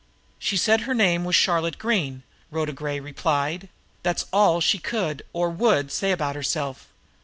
"She said her name was Charlotte Green," Rhoda Gray replied. "That's all she could, or would, say about herself."